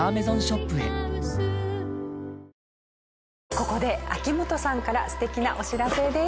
ここで秋元さんから素敵なお知らせです。